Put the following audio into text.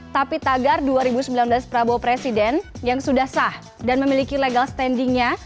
tapi tagar dua ribu sembilan belas prabowo presiden yang sudah sah dan memiliki legal standingnya